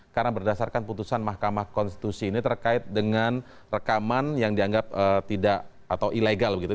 karena berdasarkan putusan mahkamah konstitusi ini terkait dengan rekaman yang dianggap tidak atau ilegal begitu